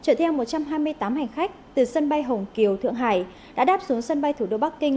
chở theo một trăm hai mươi tám hành khách từ sân bay hồng kiều thượng hải đã đáp xuống sân bay thủ đô bắc kinh